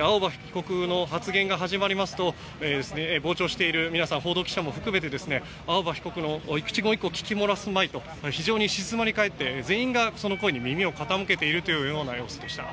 青葉被告の発言が始まりますと膨張している皆さん報道記者も含めて青葉被告の一言一句を聞き漏らすまいと非常に静まり返って全員がその声に耳を傾けているというような様子でした。